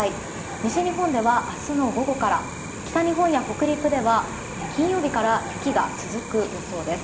西日本では明日の午後から北日本や北陸では金曜日から雪が続く予想です。